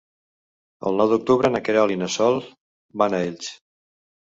El nou d'octubre na Queralt i na Sol van a Elx.